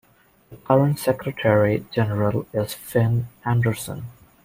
The current Secretary General is Finn Andersen.